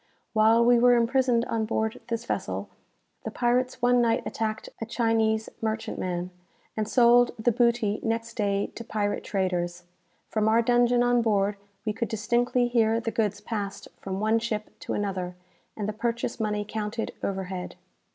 While we were imprisoned on board this vessel, the pirates one night attacked a Chinese merchantman, and sold the booty next day to pirate traders. From our dungeon on board we could distinctly hear the goods passed from one ship to another, and the purchase money counted overhead."